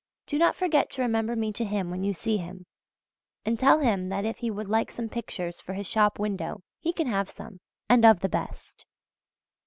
Do not forget to remember me to him when you see him, and tell him that if he would like some pictures for his shop window, he can have some and of the best.